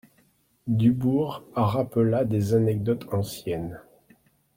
Dubourg rappela des anecdotes anciennes.